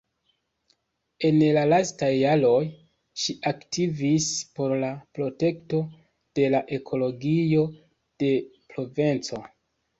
En la lastaj jaroj, ŝi aktivis por la protekto de la ekologio de Provenco.